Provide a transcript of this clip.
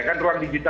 kan ruang digital